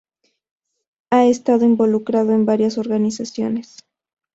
Ha estado involucrada en varias organizaciones.